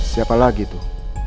siapa lagi tuh